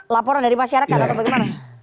laporan dari masyarakat atau bagaimana